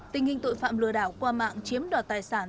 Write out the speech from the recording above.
tình hình tội phạm lừa đảo qua mạng chiếm đoạt tài sản